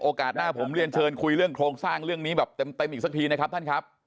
หน้าผมเรียนเชิญคุยเรื่องโครงสร้างเรื่องนี้แบบเต็มอีกสักทีนะครับท่านครับ